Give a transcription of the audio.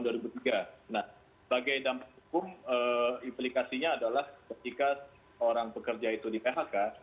nah bagai dampak hukum implikasinya adalah ketika orang pekerja itu di phk